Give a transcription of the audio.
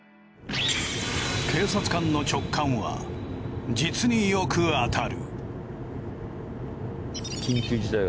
警察官の直感は実によくあたる。